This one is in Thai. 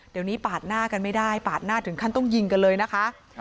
เดี๋ยวนี้ปาดหน้ากันไม่ได้ปาดหน้าถึงขั้นต้องยิงกันเลยนะคะ